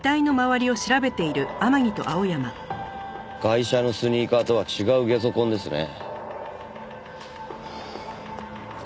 ガイシャのスニーカーとは違うゲソ痕ですね。